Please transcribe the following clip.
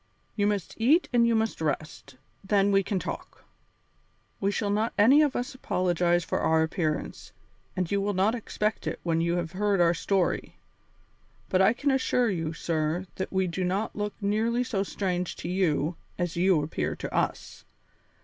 You must eat and you must rest, then we can talk. We shall not any of us apologize for our appearance, and you will not expect it when you have heard our story. But I can assure you, sir, that we do not look nearly so strange to you as you appear to us.